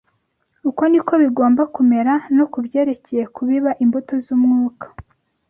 Uko ni ko bigomba kumera no mu byerekeye kubiba imbuto z’umwuka